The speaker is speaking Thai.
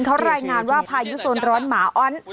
เขารายงานว่าพายุโซนร้อนหมาอ้อน